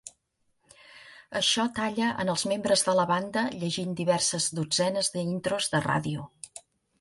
Això talla en els membres de la banda llegint diverses dotzenes de intros de ràdio.